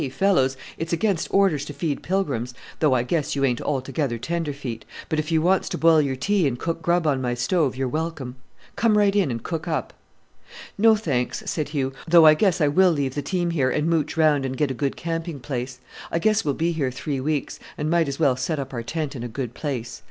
fellows, it's against orders to feed pilgrims, though I guess you ain't altogether tenderfeet; but if you wants to boil your tea and cook grub on my stove, you're welcome. Come right in and cook up." "No, thanks," said Hugh, "though I guess I will leave the team here and mooch round and get a good camping place. I guess we'll be here three weeks, and might as well set up our tent in a good place.